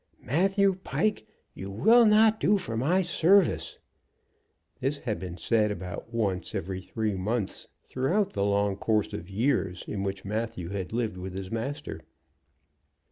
"Matthew Pike, you will not do for my service." This had been said about once every three months throughout the long course of years in which Matthew had lived with his master.